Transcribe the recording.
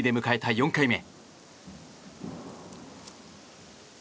４回目。